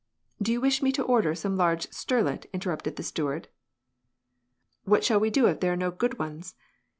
" Do you wish me to order some large sterlet," interrupted the steward. "What shall we do if there are no good ones?